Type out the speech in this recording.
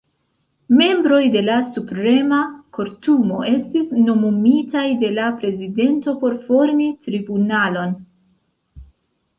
Membroj de la Suprema Kortumo estis nomumitaj de la prezidento por formi tribunalon.